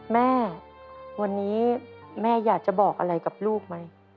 แม่วันนี้แม่อยากจะบอกอะไรกับลูกไหม